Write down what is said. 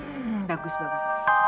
hmm bagus banget